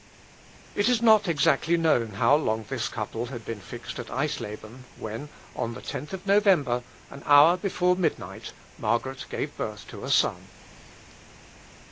It is not exactly known how long this couple had been fixed at Eisleben, when, on the 10th November, an hour before midnight, Margaret gave birth to a son.